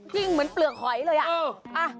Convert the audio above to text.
ยิ่งเหมือนเปลือกหอยเลยอ่ะ